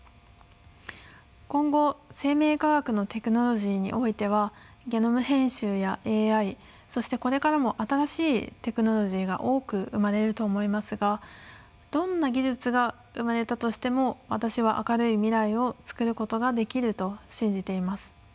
今後生命科学のテクノロジーにおいてはゲノム編集やＡＩそしてこれからも新しいテクノロジーが多く生まれると思いますがどんな技術が生まれたとしても私は明るい未来をつくることができると信じています。